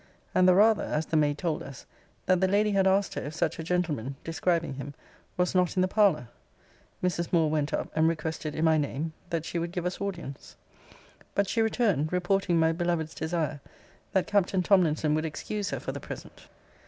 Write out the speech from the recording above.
And the rather, as the maid told us, that the lady had asked her if such a gentleman [describing him] was not in the parlour? Mrs. Moore went up, and requested, in my name, that she would give us audience. But she returned, reporting my beloved's desire, that Captain Tomlinson would excuse her for the present.